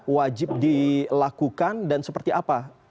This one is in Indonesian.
wajib dilakukan dan seperti apa